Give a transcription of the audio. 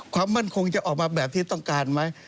ความมั่นคงจะออกมาแบบที่ต้องการไหม